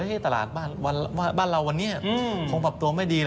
ว่าแตตาลาดบ้านเราวันนี้ผมคงพับตัวไม่ดีเลย